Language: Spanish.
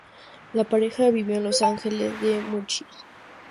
La pareja vivió en Los Ángeles y Múnich.